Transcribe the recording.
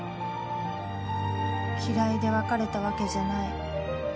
嫌いで別れたわけじゃない。